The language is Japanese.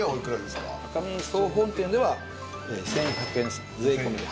赤身総本店では１１００円ですね税込みで。